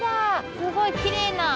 すごいきれいな。